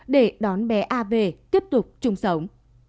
để đón bé a về tiếp tục chung sống